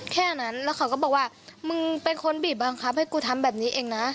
แค่นั้นแล้วเขาก็บอกว่ามึงเป็นคนบีบบังคับให้กูทำแบบนี้เองนะ